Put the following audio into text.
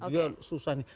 dia susah nih